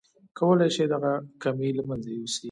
کولای شئ دغه کمی له منځه يوسئ.